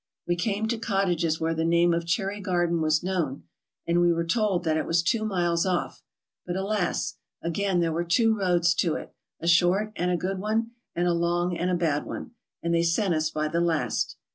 We came to cottages where the name of Cherry Garden was known, and we were told that it was two miles off; but alas! again there were two roads to it — a short and good one and a long and bad one, and they sent us by the last.